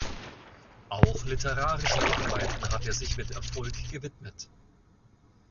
Auch literarischen Arbeiten hat er sich mit Erfolg gewidmet.